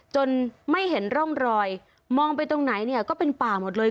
จนไม่เห็นร่องรอยมองไปตรงไหนเนี่ยก็เป็นป่าหมดเลย